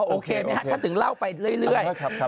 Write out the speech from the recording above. โอเคไหมฮะฉันถึงเล่าไปเรื่อย